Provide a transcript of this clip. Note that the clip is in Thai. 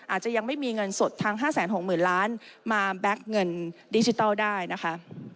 อาจจะยังไม่มีเงินสดทั้ง๕๖๐๐๐ล้านมาแบ็คเงินดิจิทัลได้นะคะ